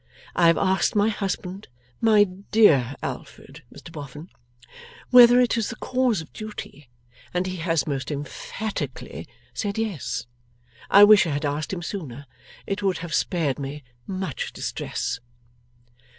I have asked my husband (my dear Alfred, Mr Boffin) whether it is the cause of duty, and he has most emphatically said Yes. I wish I had asked him sooner. It would have spared me much distress.